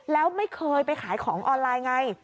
แล้วไม่เคยไปขายของออนไลน์ไง